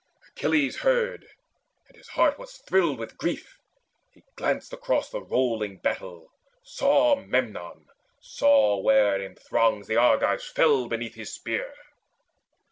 Achilles heard; his heart was thrilled with grief: He glanced across the rolling battle, saw Memnon, saw where in throngs the Argives fell Beneath his spear.